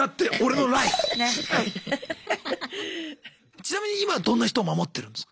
ちなみに今どんな人を守ってるんですか？